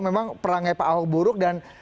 memang perangnya pak ahok buruk dan